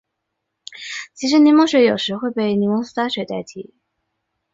其中柠檬水有时会被柠檬苏打水代替。